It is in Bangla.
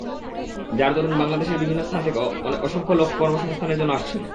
যার দরুন বাংলাদেশের বিভিন্ন স্থান থেকে অসংখ্য লোক কর্মসংস্থানের জন্য আসছেন।